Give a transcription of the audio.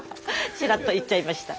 ちらっと言っちゃいました。